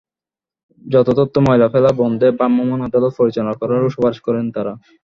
যত্রতত্র ময়লা ফেলা বন্ধে ভ্রাম্যমাণ আদালত পরিচালনা করারও সুপারিশ করেন তাঁরা।